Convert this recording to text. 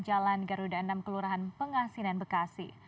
jalan garuda enam kelurahan pengasinan bekasi